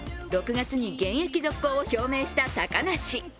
６月に現役続行を表明した高梨。